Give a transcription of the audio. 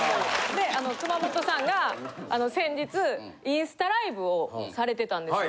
あの熊元さんがあの先日インスタライブをされてたんですよ。